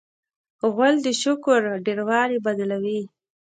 غول د شکر ډېروالی بدلوي.